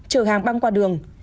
chờ hàng băng qua đường